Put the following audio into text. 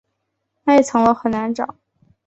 那一层楼很难找